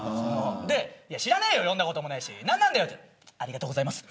知らないよ、読んだこともないし何なんだよって言ったらありがとうございますって。